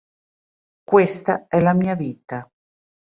Questa è la mia vita.